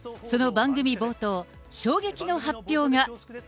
その番組冒頭、衝撃の発表が。